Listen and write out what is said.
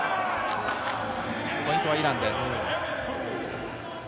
ポイントはイランです。